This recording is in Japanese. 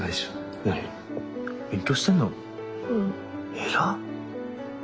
偉っ。